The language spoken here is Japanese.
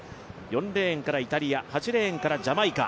４レーンからイタリア、８レーンからジャマイカ。